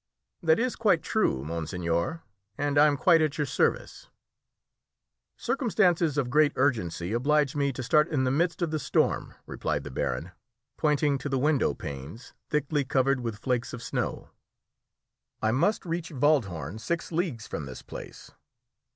"That is quite true, monseigneur, and I am quite at your service." "Circumstances of great urgency oblige me to start in the midst of the storm," replied the baron, pointing to the window panes thickly covered with flakes of snow. "I must reach Wald Horn, six leagues from this place!"